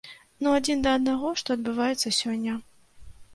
Ну адзін да аднаго, што адбываецца сёння.